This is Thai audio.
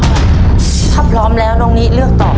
มีกำหนดข้อบังคับ